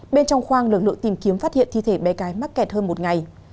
bên trong khoang lực lượng tìm kiếm phát hiện thi thể bé gái mắc kẹt hơn một ngày